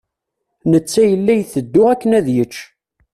Netta ila iteddu akken ad yečč.